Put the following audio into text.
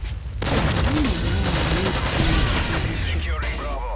Omwana omuwala alina okukuuma ekitiibwa kye.